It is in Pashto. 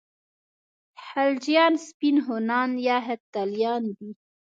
خلجیان سپین هونان یا هفتالیان دي.